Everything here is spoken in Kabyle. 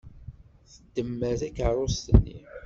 Tdemmer takeṛṛust-nni.